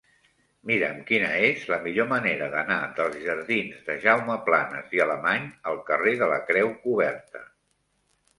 Mira'm quina és la millor manera d'anar dels jardins de Jaume Planas i Alemany al carrer de la Creu Coberta.